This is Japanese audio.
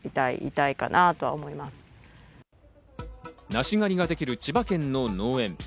梨狩りができる千葉県の農園。